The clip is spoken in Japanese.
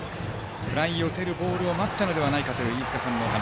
フライを打てるボールを待ったのではないかという飯塚さんのお話。